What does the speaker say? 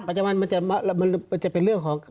ปัจจำวันมันจะเป็นเรื่องของ